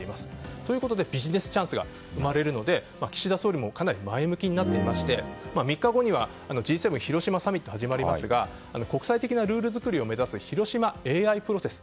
ということでビジネスチャンスが生まれるので岸田総理も前向きになっていて３日後にはＧ７広島サミットが始まりますが国際的なルールづくりを目指す広島ＡＩプロセス。